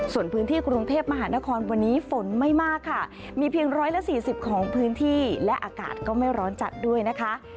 ส่วนพื้นที่กรุงเทพมหานครวันนี้ฝนไม่มากค่ะมีเพียง๑๔๐ของพื้นที่และอากาศก็ไม่ร้อนจัดด้วยนะคะ